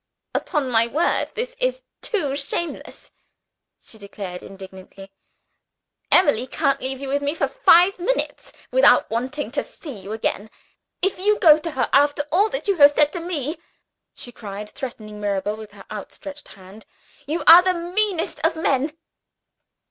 "Upon my word, this is too shameless!" she declared indignantly. "Emily can't leave you with me for five minutes, without wanting to see you again. If you go to her after all that you have said to me," she cried, threatening Mirabel with her outstretched hand, "you are the meanest of men!"